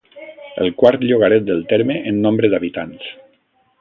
El quart llogaret del terme en nombre d'habitants.